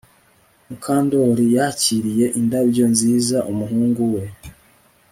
Mukandoli yakiriye indabyo nziza umuhungu we